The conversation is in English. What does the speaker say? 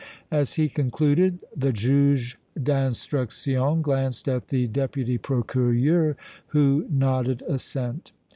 As he concluded the Juge d' Instruction glanced at the Deputy Procureur, who nodded assent.